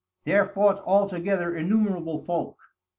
There fought all together innumerable folk!